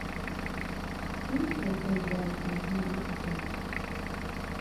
Шундай һәйбәт, яғымлы әсәйең...